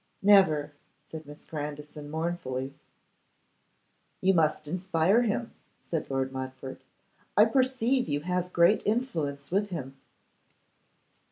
'Never,' said Miss Grandison mournfully. 'You must inspire him,' said Lord Montfort. 'I perceive you have great influence with him.